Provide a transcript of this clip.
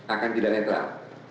akan tidak netral